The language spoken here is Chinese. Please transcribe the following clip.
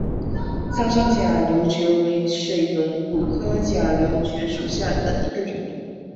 苍山假瘤蕨为水龙骨科假瘤蕨属下的一个种。